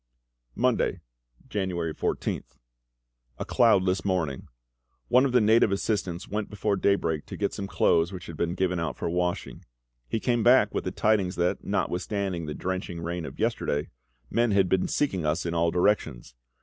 Monday, January 14th. A cloudless morning. One of the native assistants went before daybreak to get some clothes which had been given out for washing. He came back with the tidings that, notwithstanding the drenching rain of yesterday, men had been seeking us in all directions.